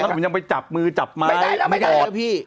วันที่จะไปจับมือจับไม๊ไม่ได้แล้วพี่